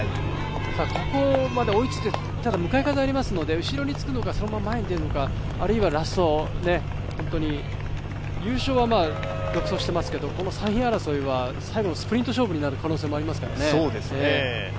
ここまで追いついて、ただ向かい風ありますので後ろにつくのか、そのまま前に出るのかあるいはラスト、優勝は独走していますけどこの３位争いは最後のスプリント勝負になる可能性もありますからね。